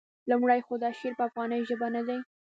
لومړی خو دا شعر په افغاني ژبه نه دی.